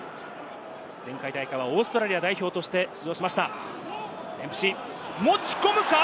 前回大会はオーストラリア代表として出場しました、デンプシー持ち込むか！